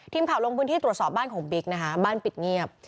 ทีมข่าวลงพื้นที่ตรวจสอบบ้านของบิ๊กนะคะบ้านปิดเงียบ